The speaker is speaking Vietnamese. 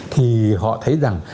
thì họ thấy rằng